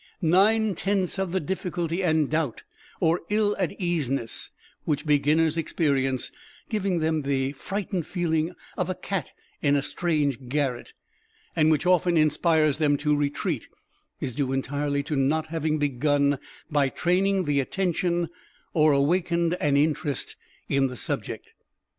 Nine tenths of the difficulty and doubt or ill at easeness which beginners experience, giving them the frightened feeling of "a cat in a strange garret," and which often inspires them to retreat, is due entirely to not having begun by training the Attention or awakened an Interest in the subject.